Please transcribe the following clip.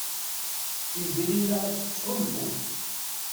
Tiziri la as-tettḥulfu.